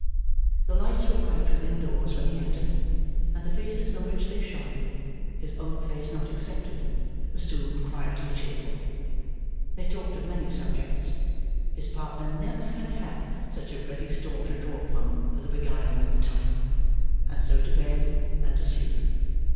The lights were bright within doors when he entered, and the faces on which they shone, his own face not excepted, were soon quietly cheerful. They talked of many subjects (his partner never had had such a ready store to draw upon for the beguiling of the time), and so to bed, and to sleep.